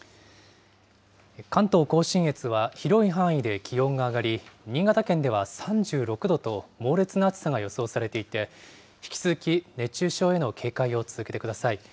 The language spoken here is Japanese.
関東甲信越は広い範囲で気温が上がり、新潟県では３６度と猛烈な暑さが予想されていて、引き続き、熱中症への警戒を続けてください。